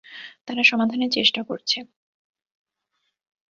তারা সমাধানের চেষ্টা করছে।